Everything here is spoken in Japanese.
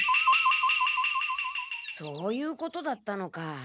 そういうことだったのか。